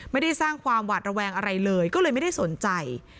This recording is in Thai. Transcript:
ไม่ได้สร้างความหวาดระแวงอะไรเลยก็เลยไม่ได้สนใจ